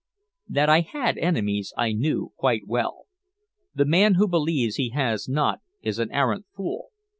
That I had enemies I knew quite well. The man who believes he has not is an arrant fool.